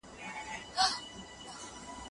دوکاندارانو ډېر لږ قيمت وښود.